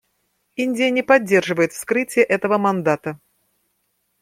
Индия не поддерживает вскрытие этого мандата.